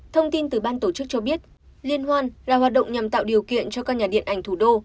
thông tin từ ban tổ chức cho biết liên hoan là hoạt động nhằm tạo điều kiện cho các nhà điện ảnh thủ đô